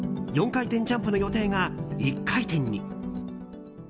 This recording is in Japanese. ４回転ジャンプの予定が１回転に。